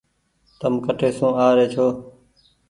تم ڪٺي سون آ ري ڇو۔